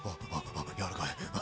あ柔らかい！